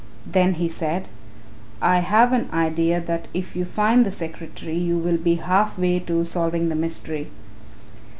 Then he said, "I have an idea that if you find your secretary you will be half way to solving the mystery."